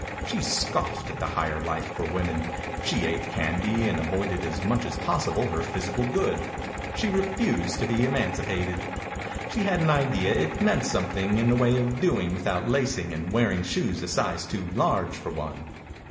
She scoffed at the Higher Life for Women; she ate candy and avoided as much as possible her physical good. She refused to be emancipated. She had an idea it meant something in the 57 THE INCUBATOR BABY way of doing without lacing and wearing shoes a size too large for one.